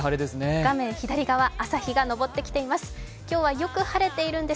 画面左側、朝日が昇ってきています